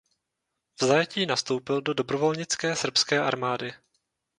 V zajetí nastoupil do dobrovolnické srbské armády.